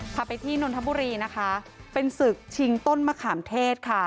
พาไปที่นนทบุรีนะคะเป็นศึกชิงต้นมะขามเทศค่ะ